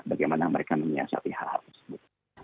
bagaimana mereka menyiasati hal hal tersebut